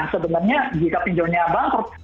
sebenarnya jika pinjolnya bangkrut